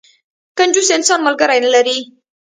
کنجوس انسان، ملګری نه لري.